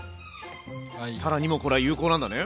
たらにもこれは有効なんだね？